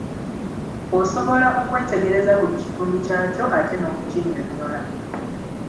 Osobola okwetegereza buli kitundu kyakyo, ate n'okukinnyonyola.